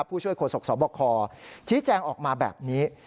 ผู้ช่วยโฆษกสบคชี้แจงออกมาแบบนี้